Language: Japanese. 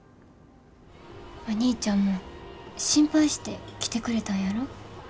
お兄ちゃんも心配して来てくれたんやろ？